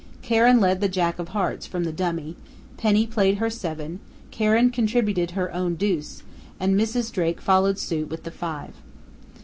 Karen led the Jack of Hearts from the dummy, Penny played her seven, Karen contributed her own deuce, and Mrs. Drake followed suit with the five.